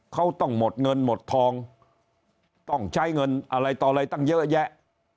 เขาต้องหมดเงินหมดทองต้องใช้เงินอะไรต่ออะไรตั้งเยอะแยะ